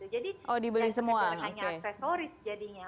jadi yang tersebut hanya aksesoris jadinya